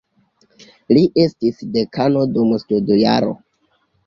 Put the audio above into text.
Li estis dekano dum studjaro.